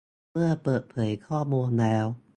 เมื่อเปิดเผยข้อมูลแล้ว